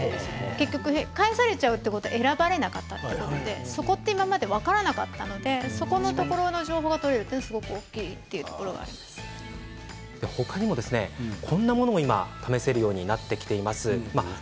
返されてしまうということは選ばれなかったということでそこは今まで分からなかったのでそこの情報が取れるのは他にも今こんなものも試せるようになってきています。